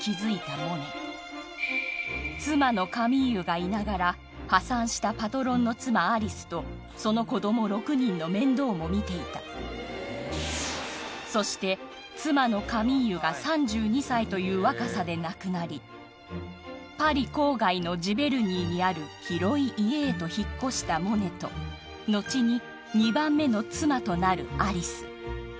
モネ妻のカミーユがいながら破産したパトロンの妻アリスとその子供６人の面倒も見ていたそして妻のカミーユが３２歳という若さで亡くなりパリ郊外のジヴェルニーにある広い家へと引っ越したモネと後に２番目の妻となるアリス